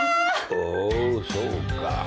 おうそうか。